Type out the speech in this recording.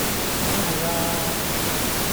梗係啦